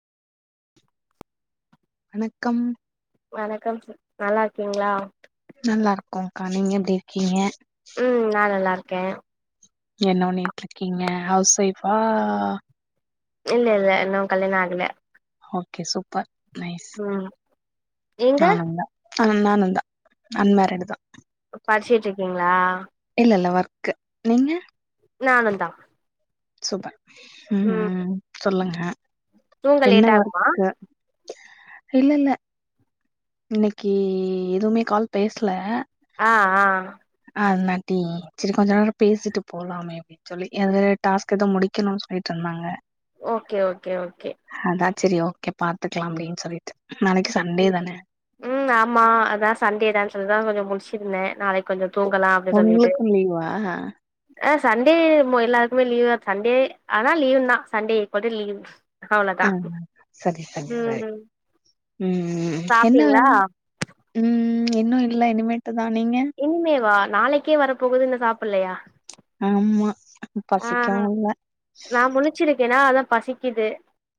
வணக்கம் வணக்கம் சி நல்லாருக்கீங்ளா நல்லாருக்கோக்கா நீங்க எப்டி இருக்கீங்க ம் நா நல்லாருக்கே என்ன பண்ணீட்ருக்கீங்க ஹவ்ஸ் ஒய்ஃப்பா இல்லல்ல இன்னு கல்யாண ஆகல ஓகே சூப்பர் நைஸ் ம் நீங்க நானுந்தா ஆமா நானுந்தா அன்மேரிடு தா படிச்சிட்ருக்கீங்ளா இல்லல்ல ஒர்க்கு நீங்க நானுந்தா சூப்பர் ம் சொல்லுங்க தூங்க என்ன லேட் ஆகுமா ஒர்க்கு இல்லல்ல இன்னைக்கி எதுவ்மே கால் பேஸ்ல ஆ ஆ அதுனாட்டி செரி கொஞ்ச நேரோ பேசிட்டு போலாமே அப்டின் சொல்லி எது டாஸ்க் எதோ முடிக்கணுன் சொல்லிட்ருந்தாங்க. ஓகே ஓகே ஓகே அதா சேரி ஓகே பாத்துக்கலா அப்டின் சொல்லிட்டு நாளைக்கு சண்டே ம் தான ம் ஆமா அதா சண்டே தான் சொல்லிதா கொஞ்சோ முழ்ஸ்சிருந்தே நாளைக் கொஞ்சோ தூங்கலா அப்டி சொல்லிட்டு உங்ளுக்கு லீவா ஆ சண்டே மோ எல்லார்க்குமே லீவு தா சண்டே ஆனா லீவுன் தா சண்டே ஈக்கோல் டூ லீவு அவ்ளோ தா ஆ சரி சரி சரி ம்ம் ம் என்ன வேல ம் இன்னு இல்ல இனிமேட்டு தா நீங்க இனிமேவா நாளைக்கே வர போகுது இன்னு சாப்பிட்லயா ஆமா பசிக்கவு இல்ல ச்சிருக்கேனா அதா பசிக்கிது